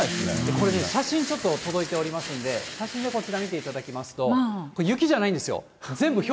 これね、写真ちょっと届いておりますんで、写真、こちら見ていただきますと、雪じゃないんですよ。